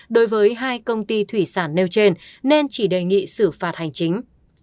đối với hai công ty thủy sản nêu trên nên chỉ đề nghị xử phạt hành chính